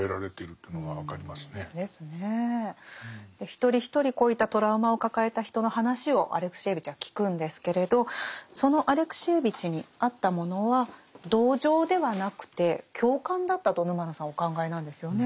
一人一人こういったトラウマを抱えた人の話をアレクシエーヴィチは聞くんですけれどそのアレクシエーヴィチにあったものは同情ではなくて共感だったと沼野さんお考えなんですよね。